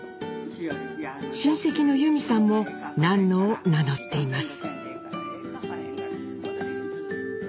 親戚の由美さんも「ナンノ」を名乗っています。